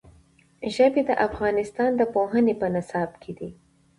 ژبې د افغانستان د پوهنې په نصاب کې دي.